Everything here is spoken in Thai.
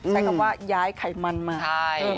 ใช้คำว่าย้ายไขมันมา